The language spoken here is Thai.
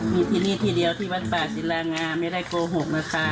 มีที่นี่ที่เดียวที่วัดป่าศิลางามาไม่ได้โกหกนะคะ